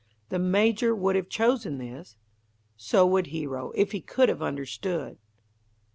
The Major would have chosen this? so would Hero, if he could have understood."